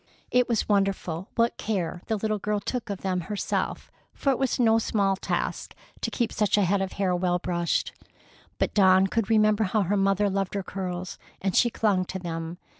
It was wonderful what care the little girl took of them herself, for it was no small task to keep such a head of hair well brushed. But Dawn could remember how her mother loved her curls, and she clung to them.